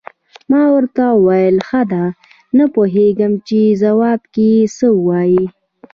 ما ورته وویل: ښه ده، نه پوهېدم چې په ځواب کې یې څه ووایم.